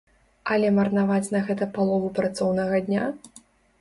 Але марнаваць на гэта палову працоўнага дня?